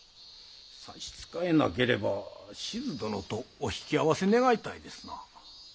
差し支えなければ志津殿とお引き合わせ願いたいですな。